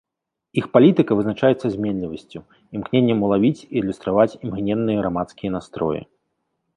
Іх палітыка вызначаецца зменлівасцю, імкненнем улавіць і адлюстраваць імгненныя грамадскія настроі.